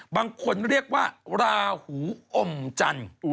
บางคนเรียกว่าราหูอมจันทร์